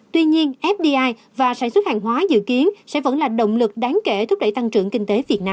tuy nhiên fdi và sản xuất hàng hóa dự kiến sẽ vẫn là động lực đáng kể thúc đẩy tăng trưởng kinh tế việt nam